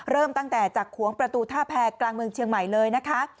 เริ่มตั้งแต่จากขวงประตูท่าแพรกลางเมืองเชียงใหม่เลยนะคะ